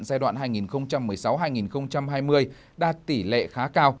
giai đoạn hai nghìn một mươi sáu hai nghìn hai mươi đạt tỷ lệ khá cao